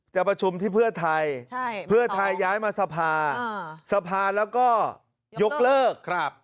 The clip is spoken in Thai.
จะประชุมที่เพื่อไทยเพื่อไทยย้ายมาสภาสภาแล้วก็ยกเลิก